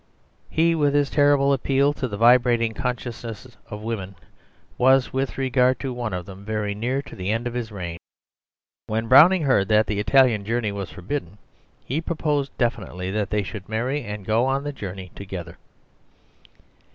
He, with his terrible appeal to the vibrating consciences of women, was, with regard to one of them, very near to the end of his reign. When Browning heard that the Italian journey was forbidden, he proposed definitely that they should marry and go on the journey together.